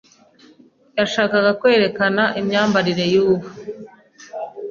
Yashakaga kwerekana imyambarire y’ubu